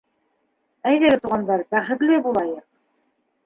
Әйҙәгеҙ, туғандар, бәхетле булайыҡ!